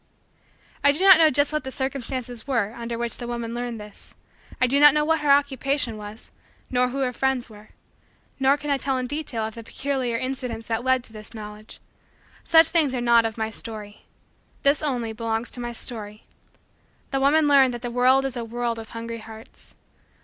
I do not know just what the circumstances were under which the woman learned this. I do not know what her Occupation was nor who her friends were; nor can I tell in detail of the peculiar incidents that led to this Knowledge. Such things are not of my story. This, only, belongs to my story: the woman learned that the world is a world of hungry hearts.